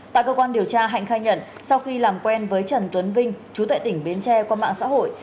tại cơ quan điều tra hạnh khai nhận sau khi làm quen với trần tuấn vinh chú tại tỉnh bến tre qua mạng xã hội